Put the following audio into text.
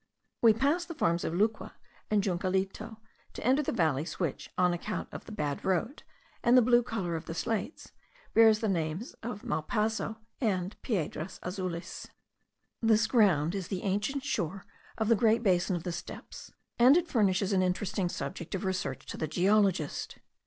We passed the farms of Luque and Juncalito, to enter the valleys which, on account of the bad road, and the blue colour of the slates, bear the names of Malpaso and Piedras Azules. This ground is the ancient shore of the great basin of the steppes, and it furnishes an interesting subject of research to the geologist.